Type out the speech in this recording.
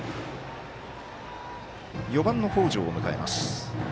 ４番の北條を迎えます。